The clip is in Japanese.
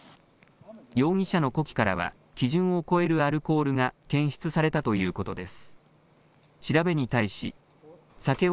容疑者の呼気からは基準を超えるアルコールが検出されたということです。